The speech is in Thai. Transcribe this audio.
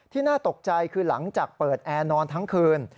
น่าตกใจคือหลังจากเปิดแอร์นอนทั้งคืน